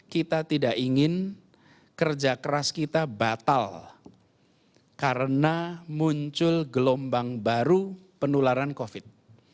kita tidak ingin kerja keras kita batal karena muncul gelombang baru penularan covid